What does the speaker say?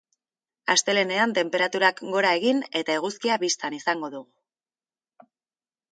Astelehenean tenperaturak gora egin eta eguzkia bistan izango dugu.